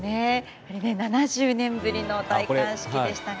７０年ぶりの戴冠式でしたが。